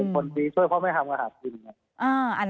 เป็นคนดีช่วยเพราะไม่ทำกระหับกิน